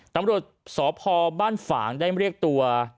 ตำรวจสพบ้านฝางได้เรียกตัว